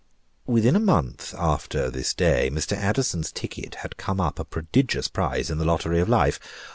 Within a month after this day, Mr. Addison's ticket had come up a prodigious prize in the lottery of life.